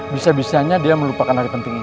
bisa bisanya dia melupakan hari penting ini